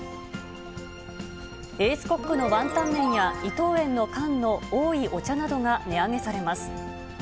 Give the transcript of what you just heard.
エースコックのワンタンメンや伊藤園の缶のおいお茶などが値上げされます。